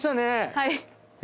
はい。